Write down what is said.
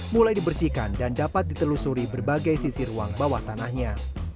mulai dibersihkan dan dapat ditelusuri berbagai sisi ruang bawah tanahnya